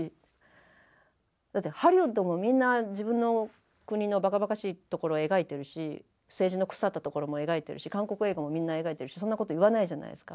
だってハリウッドもみんな自分の国のばかばかしいところを描いてるし政治の腐ったところも描いてるし韓国映画もみんな描いてるしそんなこと言わないじゃないですか。